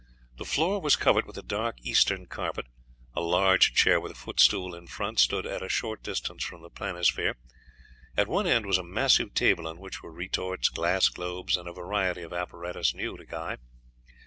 The floor was covered with a dark Eastern carpet, a large chair with a footstool in front stood at a short distance from the planisphere; at one end was a massive table on which were retorts, glass globes, and a variety of apparatus new to Guy.